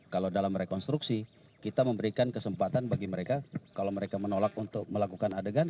kalau dalam rekonstruksi kita memberikan kesempatan bagi mereka kalau mereka menolak untuk melakukan adegan